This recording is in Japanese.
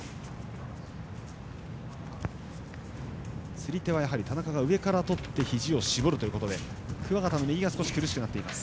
釣り手は田中が上からとってひじを絞るということで桑形の右が少し苦しくなっています。